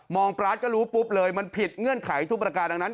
ปราศก็รู้ปุ๊บเลยมันผิดเงื่อนไขทุกประการดังนั้น